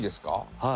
はい。